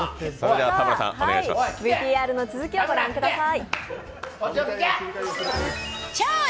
ＶＴＲの続きを御覧ください。